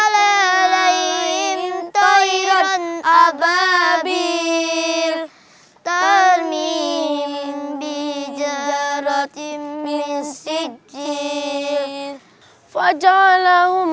lerob muka biasa bir switch